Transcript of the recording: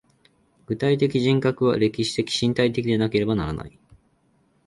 具体的人格は歴史的身体的でなければならない。